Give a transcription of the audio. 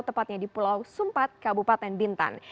tepatnya di pulau sumpat kabupaten bintan